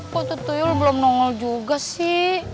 kok tuh tuyul belum nongol juga sih